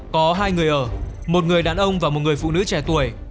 có hai người ở một người đàn ông và một người phụ nữ trẻ tuổi